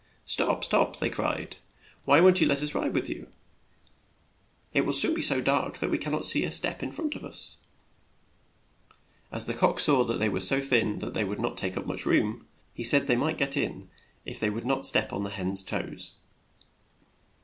"Stop, stop!" they cried. "Won't you let us ride with you? It will soon be so dark that we can not see a step in front of us." As the cock saw that were would THE COCK TOOK HIS SEAT ON THE BOX, AND OFF THEY DROVE. room, he said they might get in if they "#^.?P^ would not step on the hen's toes.